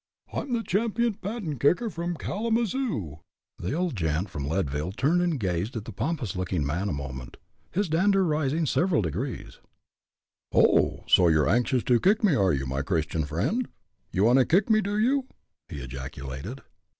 "I'm the champion patent kicker from Kalamazoo!" The old gent from Leadville turned and gazed at the pompous looking man a moment, his dander rising several degrees. "Oh! so you're anxious to kick me, are you, my Christian friend? You want to kick me, do you?" he ejaculated.